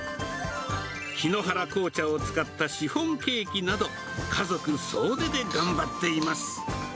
檜原紅茶を使ったシフォンケーキなど、家族総出で頑張っています。